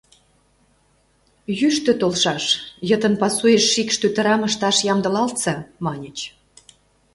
— Йӱштӧ толшаш, йытын пасуэш шикш тӱтырам ышташ ямдылалтса, маньыч.